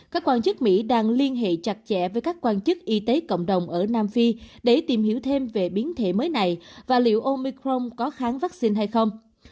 các quan chức mỹ đang liên hệ chặt chẽ với các quan chức y tế cộng đồng ở nam phi để tìm hiểu thêm về biến thể mới này và liệu omicron có kháng vaccine hay không